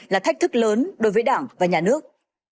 là thách thức lớn đối với đảng và nhà nước